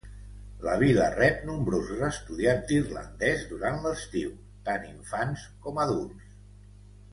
La vila rep nombrosos estudiants d'irlandès durant l'estiu, tant infants com adults.